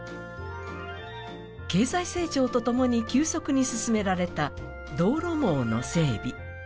経済成長とともに急速に進められた道路網の整備。